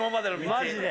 マジで。